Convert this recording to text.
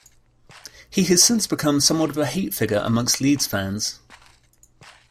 He has since became somewhat of a hate figure amongst Leeds fans.